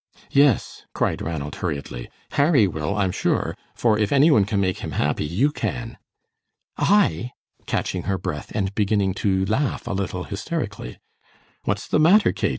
"Yes," cried Ranald, hurriedly, "Harry will, I'm sure, for if any one can make him happy, you can." "I?" catching her breath, and beginning to laugh a little hysterically. "What's the matter, Kate?